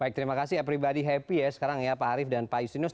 baik terima kasih ya pribadi happy ya sekarang ya pak harif dan pak justinus